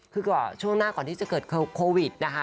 คือก่อนช่วงหน้าก่อนที่จะเกิดโควิดนะคะ